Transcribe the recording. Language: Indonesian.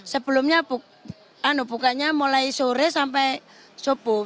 sebelumnya bukanya mulai sore sampai subuh